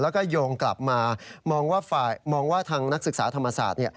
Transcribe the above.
แล้วก็โยงกลับมามองว่าทางนักศึกษาธรรมศาสตร์